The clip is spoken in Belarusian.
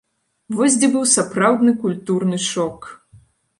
Вось дзе быў сапраўдны культурны шок!